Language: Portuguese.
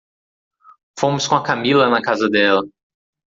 Fomos com a Camila na casa dela.